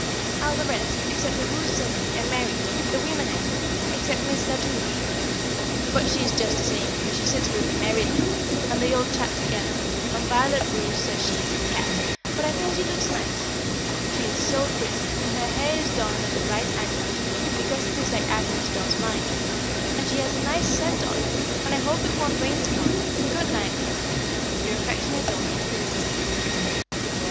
All the rest, except the Rooses and me, are married the women, I mean except Miss La Touche, but she is just the same, because she sits with the married lot, and they all chat together, and Violet Roose says she is a cat, but I think she looks nice; she is so pretty, and her hair is done at the right angle, because it is like Agnès does mine, and she has nice scent on; and I hope it won't rain to morrow, and good night, dear Mamma. Your affectionate daughter, Elizabeth.